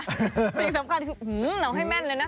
สิ่งสำคัญคือเอาให้แม่นเลยนะ